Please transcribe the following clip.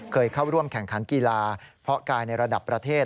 เคยเข้าร่วมแข่งขันกีฬาเพาะกายในระดับประเทศ